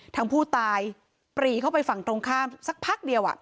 ทางผู้ตายปรีเข้าไปฝั่งตรงข้ามสักพักเดียว